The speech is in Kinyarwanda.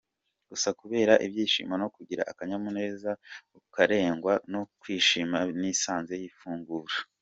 Gusa kubera ibyishimo no kugira akanyamuneza ukarengwa no kwishima nisanze nyifungura.